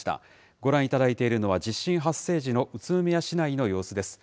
ご覧いただいているのは、地震発生時の宇都宮市内の様子です。